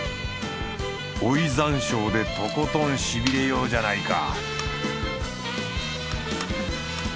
追い山椒でとことんしびれようじゃないか